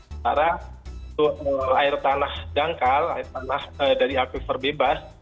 nah air tanah dangkal air tanah dari akuif berbebas